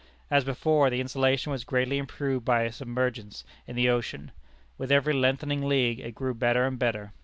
As before, the insulation was greatly improved by submergence in the ocean. With every lengthening league it grew better and better.